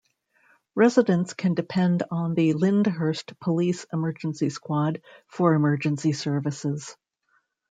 Residents can depend on the Lyndhurst Police Emergency Squad for emergency services.